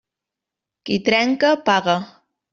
Qui trenca, paga.